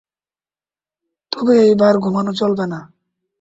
তবে, এই বারে ঘুমানো চলবে না।